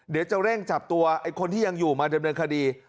เดี๋ยวจะเร่งจับตัวไอ้คนที่ยังอยู่มาดำเนินคดี